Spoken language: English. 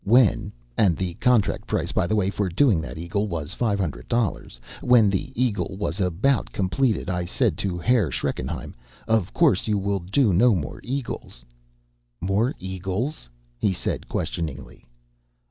When and the contract price, by the way, for doing that eagle was five hundred dollars when the eagle was about completed, I said to Herr Schreckenheim, 'Of course you will do no more eagles?' "'More eagles?' he said questioningly.